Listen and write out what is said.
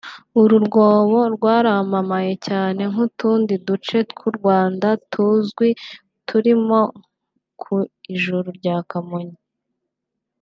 uru rwobo rwaramamaye cyane nk’utundi duce tw’u Rwanda tuzwi turimo Ku Ijuru rya Kamonyi